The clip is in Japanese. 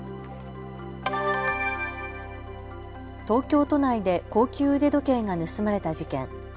東京都内で高級腕時計が盗まれた事件。